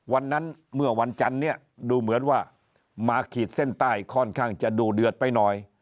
วันนั้นเมื่อวันจันทร์เนี่ยดูเหมือนว่ามาขีดเส้นใต้ค่อนข้างจะดูเดือดไปหน่อย